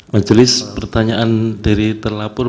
majelis pertanyaan dari terlapor